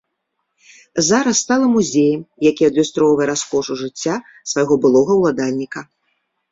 Зараз стала музеем, які адлюстроўвае раскошу жыцця свайго былога ўладальніка.